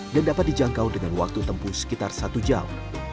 dan dapat dijangkau dengan waktu tempuh sekitar satu jam